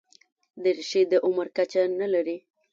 دریشي د عمر کچه نه لري.